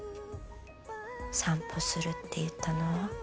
散歩するって言ったのは？